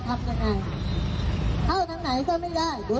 ถามว่าบนข้างในมันไม่เอารถสวนเข้าไปจะทำยังไง